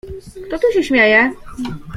— Kto tu się śmieje?